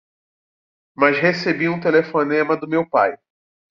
Mas recebi um telefonema do meu pai.